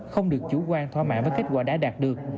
không được chủ quan thỏa mãn với kết quả đã đạt được